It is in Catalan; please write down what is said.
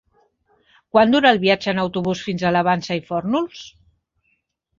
Quant dura el viatge en autobús fins a la Vansa i Fórnols?